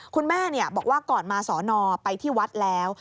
คุณแม่บอกว่าก่อนมาสอนอไปที่วัดแล้ว